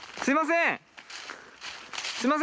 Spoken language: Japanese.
すいません！